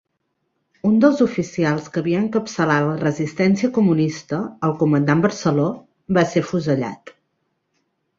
Un dels oficials que havia encapçalat la resistència comunista, el comandant Barceló, va ser afusellat.